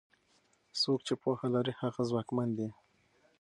څوک چې پوهه لري هغه ځواکمن دی.